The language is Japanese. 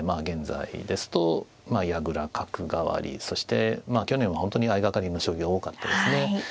現在ですと矢倉角換わりそして去年は本当に相掛かりの将棋が多かったですね。